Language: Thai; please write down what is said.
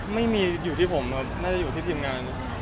เอ่อไม่มีอยู่ที่ผมคือไปอยู่ที่ทีมงาน